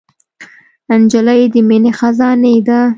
نجلۍ د مینې خزانې ده.